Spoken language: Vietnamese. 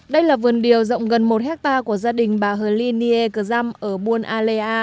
đây là vườn điều rộng gần một hectare của gia đình bà hờ ly nhiê cờ dăm ở buôn alea